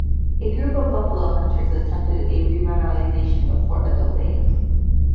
A group of buffalo hunters attempted a revitalization of Fort Adobe.